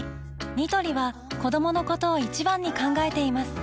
ニトリは子どものことを一番に考えています